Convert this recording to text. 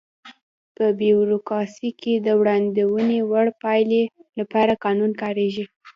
په بیوروکراسي کې د وړاندوينې وړ پایلې لپاره قانون کاریږي.